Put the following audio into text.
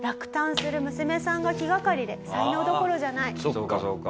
そうかそうか。